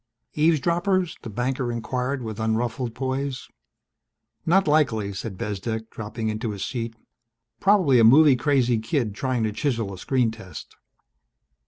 "Eavesdroppers?" the banker inquired with unruffled poise. "Not likely," said Bezdek, dropping into his seat. "Probably a movie crazy kid trying to chisel a screen test."